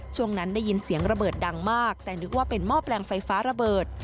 ช่วงนั้นได้ยินเสียงระเบิดดังมากแต่นึกว่าเป็นหม้อแปลงไฟฟ้าระเบิด